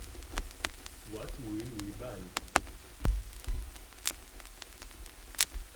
What will we buy?